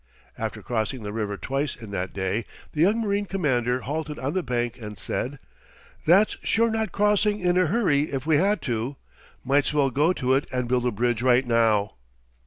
After crossing the river twice in that day, the young marine commander halted on the bank and said: "That's sure not crossing in a hurry if we had to. Might's well go to it and build a bridge right now."